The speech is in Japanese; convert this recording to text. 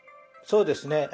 そうですね。